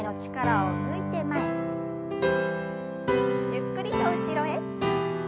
ゆっくりと後ろへ。